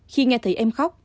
khi nghe thấy em khóc